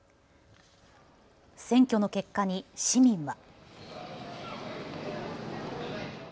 選挙の結果に市民は。